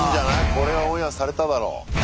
これはオンエアされただろう。